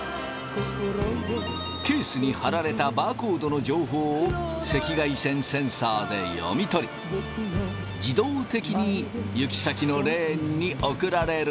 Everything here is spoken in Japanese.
ケースに貼られたバーコードの情報を赤外線センサーで読み取り自動的に行き先のレーンに送られる。